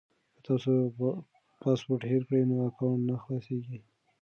که تاسو پاسورډ هېر کړئ نو اکاونټ نه خلاصیږي.